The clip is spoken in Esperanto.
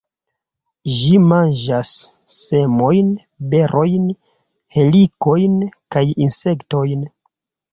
Ĝi manĝas semojn, berojn, helikojn kaj insektojn.